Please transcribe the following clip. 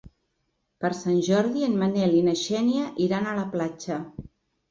Per Sant Jordi en Manel i na Xènia iran a la platja.